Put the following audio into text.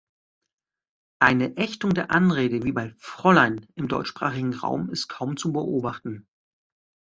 Eine Ächtung der Anrede wie bei "Fräulein" im deutschsprachigen Raum ist kaum zu beobachten.